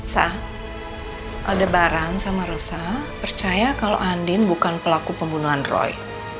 sam aldebaran sama rosa percaya kalau andin bukan pelaku pembunuhan roy